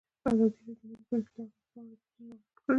ازادي راډیو د مالي پالیسي د اغېزو په اړه ریپوټونه راغونډ کړي.